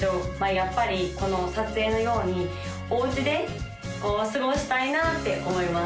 やっぱりこの撮影のようにお家で過ごしたいなって思います